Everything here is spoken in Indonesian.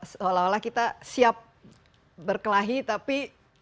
seolah olah kita siap berkelahi tapi